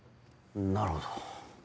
なるほど。